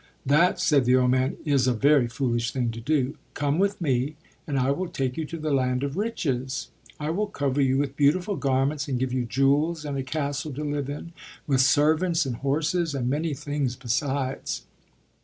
"That," said the old man, "is a very foolish thing to do. Come with me and I will take you to the Land of Riches. I will cover you with beautiful garments, and give you jewels and a castle to live in with servants and horses and many things besides."